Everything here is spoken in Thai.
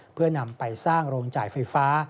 เพื่อนำไปสร้างโรงจ่ายไฟฟ้า